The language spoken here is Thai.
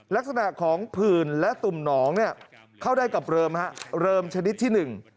ลักษณะของผื่นและตุ่มหนองเนี่ยเข้าได้กับเริมฮะเริ่มชนิดที่หนึ่ง